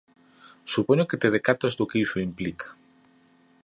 Supoño que te decatas do que iso implica.